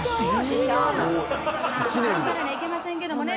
頑張らないけませんけどもね。